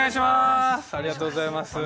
ありがとうございます。